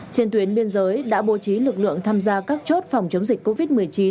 trên tuyến biên giới đã bố trí lực lượng tham gia các chốt phòng chống dịch covid một mươi chín